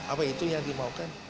apa itu yang dimaukan